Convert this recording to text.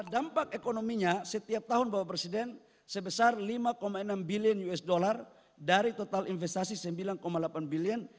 dampak ekonominya setiap tahun bapak presiden sebesar lima enam bilion usd dari total investasi sembilan delapan bilion